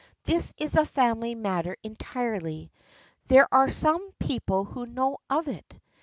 This is a family matter entirely. There are some peo ple who know of it.